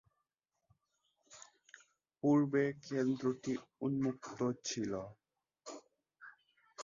পূর্বে কেন্দ্রটি উন্মুক্ত ছিল।